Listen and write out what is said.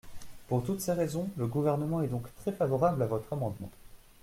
Pour toutes ces raisons, le Gouvernement est donc très favorable à votre amendement.